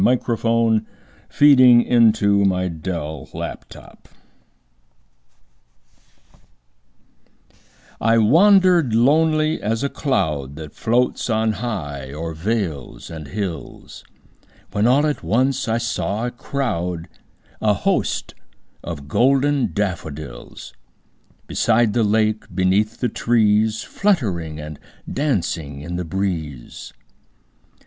William Wordsworth I Wandered Lonely As a Cloud I WANDERED lonely as a cloud That floats on high o'er vales and hills, When all at once I saw a crowd, A host, of golden daffodils; Beside the lake, beneath the trees, Fluttering and dancing in the breeze.